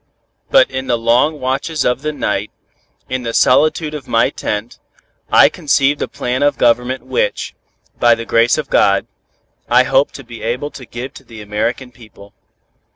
"But in the long watches of the night, in the solitude of my tent, I conceived a plan of government which, by the grace of God, I hope to be able to give to the American people.